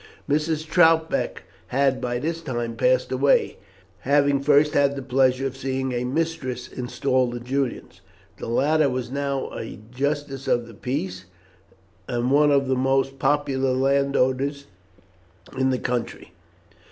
Mrs. Troutbeck had by this time passed away, having first had the pleasure of seeing a mistress installed at Julian's. The latter was now a justice of the peace, and one of the most popular landowners in the county.